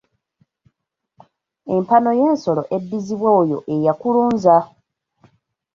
Empano y’ensolo eddizibwa oyo eyakulunza.